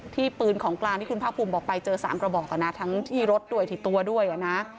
ปืนของกลางที่คุณภาคภูมิบอกไปเจอ๓กระบอกนะทั้งที่รถด้วยที่ตัวด้วยนะ